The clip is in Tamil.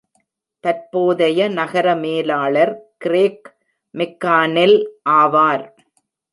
தற்போதைய நகர மேலாளர் கிரேக் மெக்கானெல் ஆவார்.